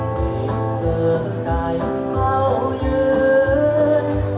ที่เผื่อใจเฝ้ายืน